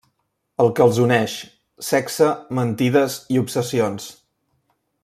El que els uneix: sexe, mentides i obsessions.